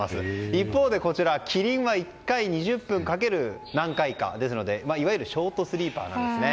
一方でキリンは１回２０分かける何回かですのでいわゆるショートスリーパーなんですね。